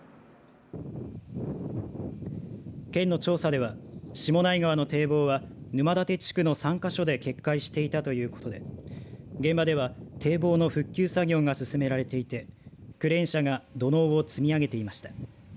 県の調査では、下内川の堤防は沼館地区の３か所で決壊していたということで現場では堤防の復旧作業が進められていてクレーン車が土のうを積み上げていました。